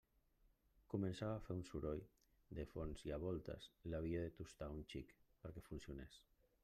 Començava a fer un soroll de fons i a voltes l'havia de tustar un xic perquè funcionés.